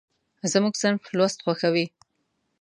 زموږ صنف لوست خوښوي.